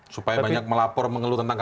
supaya banyak melapor mengeluh tentang kpk